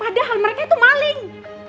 padahal mereka tuh maling